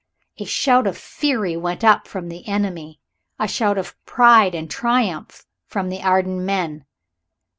A shout of fury went up from the enemy. A shout of pride and triumph from the Arden men.